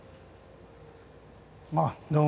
あっどうも。